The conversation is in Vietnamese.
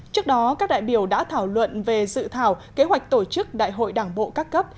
trước đó các đại biểu đã thảo luận về dự thảo kế hoạch tổ chức đại hội đảng bộ các cấp